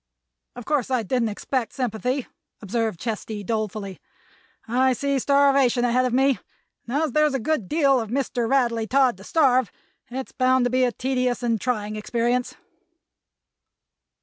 "Of course I didn't expect sympathy," observed Chesty, dolefully. "I see starvation ahead of me, and as there's a good deal of Mr. Radley Todd to starve it's bound to be a tedious and trying experience."